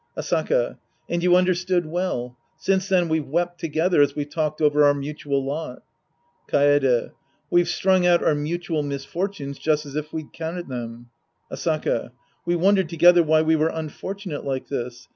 Asaka. And you understood well. Since then we've wept together as we've talked over our mutual lot. Kaede. We've strung out our mutual misfortunes just as if we'd count them. Asaka. We wondered together why we were unfortunate like this.